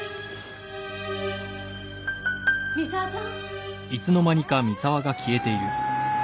三沢さん？